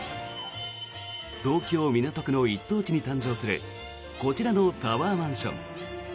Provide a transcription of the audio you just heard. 東京・港区の一等地に誕生するこちらのタワーマンション。